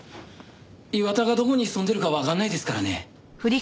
岩田がどこに潜んでるかわかんないですからね。